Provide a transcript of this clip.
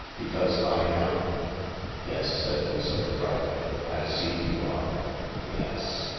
Because I am." " Yes," said Lucilla dryly. " I see you are. Yes."